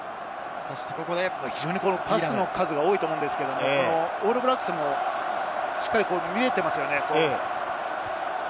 パスの数が多いと思うんですけれど、オールブラックスもしっかり見えていますね。